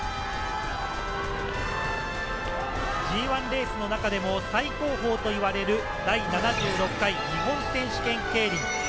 ＧＩレースの中でも最高峰といわれる第７６回日本選手権競輪。